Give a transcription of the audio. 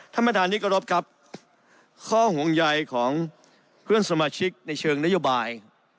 ธรรมดานี้ก็รบกับข้อห่วงใหญ่ของเพื่อนสมาชิกในเชิงนโยบาย